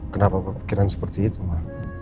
kenapa pemikiran seperti itu ma